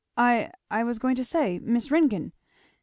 "I I was going to say, Miss Ringgan!"